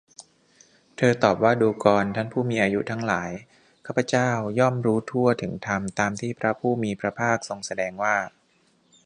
เธอตอบว่า ดูกรท่านผู้มีอายุทั้งหลาย ข้าพเจ้าย่อมรู้ทั่วถึงธรรมตามที่พระผู้มีพระภาคทรงแสดงว่า